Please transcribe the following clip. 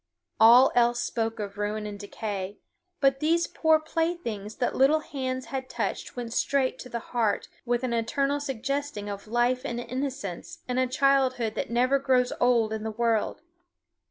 All else spoke of ruin and decay; but these poor playthings that little hands had touched went straight to the heart with an eternal suggesting of life and innocence and a childhood that never grows old in the world.